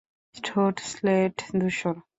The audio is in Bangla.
ঠোঁট স্লেট ধূসর।